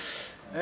え？